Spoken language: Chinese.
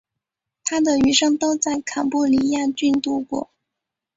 他的余生都在坎布里亚郡度过。